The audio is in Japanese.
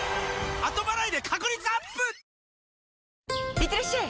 いってらっしゃい！